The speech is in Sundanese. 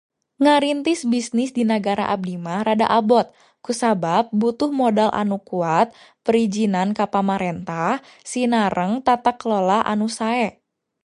Ngarintis bisnis di nagara abdi mah rada abot kusabab butuh modal anu kuat, perizinan ka pamarentah sinareng tata kelola anu sae.